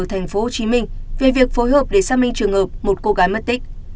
thành phố hồ chí minh về việc phối hợp để xác minh trường hợp một cô gái mất tích